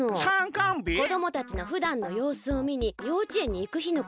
こどもたちのふだんのようすをみにようちえんにいくひのこと。